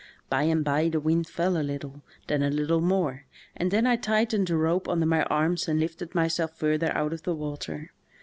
By and by the wind fell a little, then a lit tle more, and then I tightened the rope under my arms and lifted myself further out of the water.